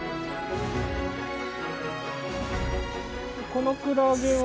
このクラゲは。